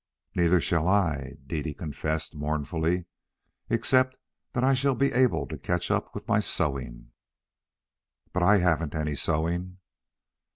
"Neither shall I," Dede confessed mournfully, "except that I shall be able to catch up with my sewing." "But I haven't any sewing."